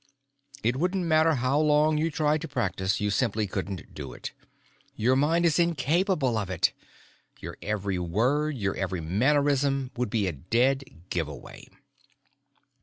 It wouldn't matter how long you tried to practice, you simply couldn't do it. Your mind is incapable of it. Your every word, your every mannerism, would be a dead giveaway."